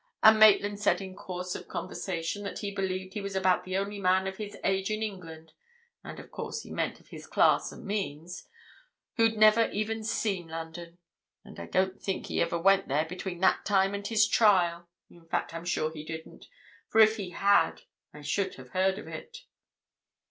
And Maitland said in course of conversation, that he believed he was about the only man of his age in England—and, of course, he meant of his class and means—who'd never even seen London! And I don't think he ever went there between that time and his trial: in fact, I'm sure he didn't, for if he had, I should have heard of it."